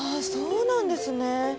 そうなんですね。